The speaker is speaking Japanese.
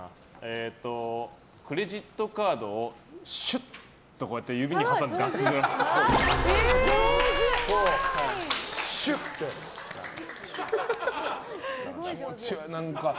クレジットカードをシュッと指に挟んでだすっぽい。